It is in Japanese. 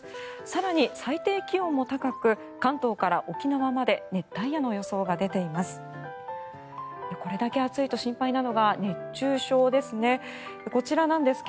更に最低気温も高く関東から沖縄まで熱帯夜の予想が出ています。